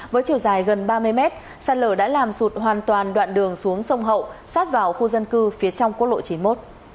với chiều dài gần ba mươi mét sạt lở đã làm sụt hoàn toàn đoạn đường xuống sông hậu sát vào khu dân cư phía trong quốc lộ chín mươi một